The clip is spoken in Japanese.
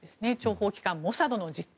諜報機関モサドの実態。